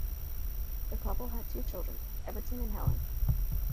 The couple had two children, Everton and Helen.